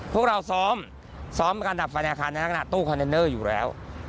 พวกเราซ้อมซ้อมการดับฝันอาคารในหน้ากลางหน้าตู้คอนเน็นเนอร์อยู่แล้ว